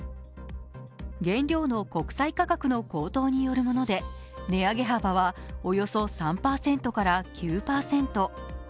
原料の国際価格の高騰によるもので値上げ幅はおよそ３％から９％。